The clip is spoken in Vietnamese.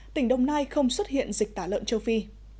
tỉnh đồng nai không xuất hiện dịch tả lợn châu phi